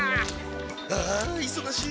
あいそがしい。